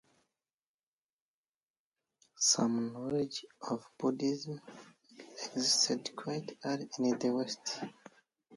Some knowledge of Buddhism existed quite early in the West.